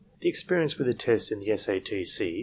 "The experience with the tests in the S. A. T. C.